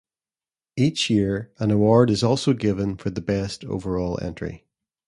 Each year an award is also given for the best overall entry.